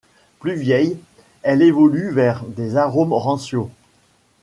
Plus vieille, elle évolue vers des arômes rancio.